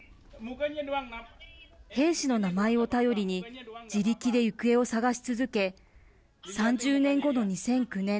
兵士の名前を頼りに自力で行方を探し続け３０年後の２００９年